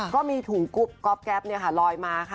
ก็มีถุงกลูปก็ลอยมาค่ะ